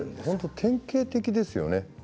典型的ですよね。